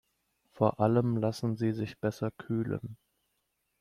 Vor allem lassen sie sich besser kühlen.